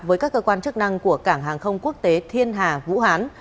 với các cơ quan chức năng của cảng hàng không quốc tế thiên hà vũ hán